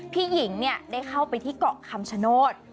พี่หญิงได้เข้าไปที่เกาะคำชโนธ